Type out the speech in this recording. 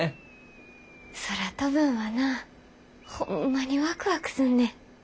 空飛ぶんはなホンマにワクワクすんねん。